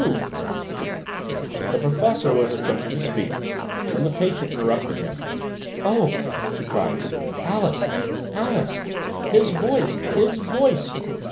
Who " The Professor was attempting to speak when the patient interrupted him. "Oh!" she cried, "Alice! Alice! His voice his voice!